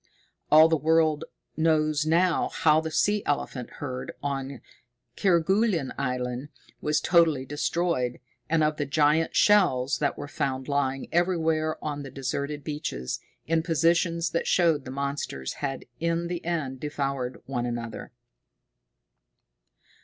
All the world knows now how the sea elephant herd on Kerguelen Island was totally destroyed, and of the giant shells that were found lying everywhere on the deserted beaches, in positions that showed the monsters had in the end devoured one another.